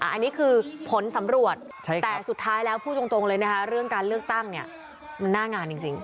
อันนี้คือผลสำรวจแต่สุดท้ายแล้วพูดตรงเลยนะคะเรื่องการเลือกตั้งเนี่ยมันหน้างานจริง